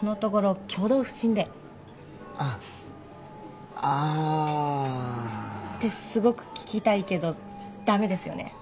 このところ挙動不審であっあってすごく聞きたいけどダメですよね？